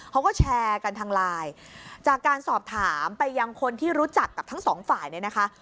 เขาก็แชร์กันทางไลน์จากการสอบถามไปยังคนที่รู้จักกับทั้งสองฝ่ายเนี่ยนะคะ